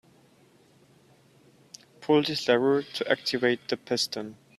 Pull this lever to activate the piston.